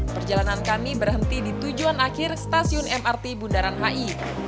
perjalanan kami berhenti di tujuan akhir stasiun mrt bundaran hi